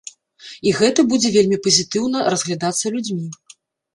І гэты будзе вельмі пазітыўна разглядацца людзьмі.